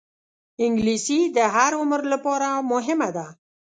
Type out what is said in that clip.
انګلیسي د هر عمر لپاره مهمه ده